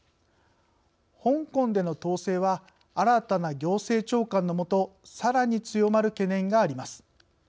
香港での統制は新たな行政長官の下さらに強まる懸念があります。